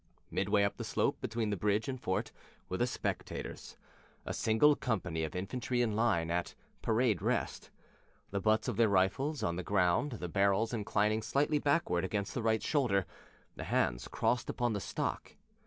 Mid way of the slope between bridge and fort were the spectators a single company of infantry in line, at "parade rest," the butts of the rifles on the ground, the barrels inclining slightly backward against the right shoulder, the hands crossed upon the stock.